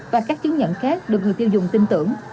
và các chứng nhận khác được người tiêu dùng tin tưởng